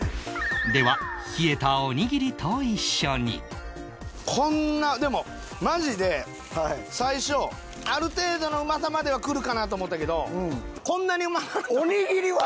では冷えたこんなでもマジで最初ある程度のうまさまではくるかなと思ったけどこんなにうまなるとは。